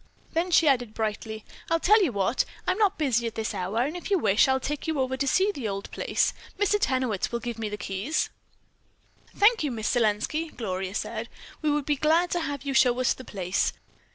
Then she added brightly, "I'll tell you what, I'm not busy at this hour and if you wish I'll take you over to see the old place. Mr. Tenowitz will give me the keys." "Thank you, Miss Selenski," Gloria said. "We would be glad to have you show us the place.